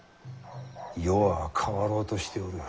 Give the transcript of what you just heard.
世は変わろうとしておる。